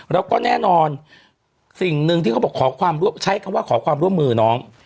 แล้วก็แน่นอนสิ่งหนึ่งที่เขาบอกขอใช้คำว่าขอความร่วมมือน้อง